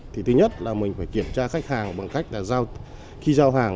thì thứ nhất là mình phải kiểm tra khách hàng bằng cách khi giao hàng